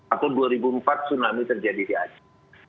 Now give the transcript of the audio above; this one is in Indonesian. atau dua ribu empat tsunami terjadi di aceh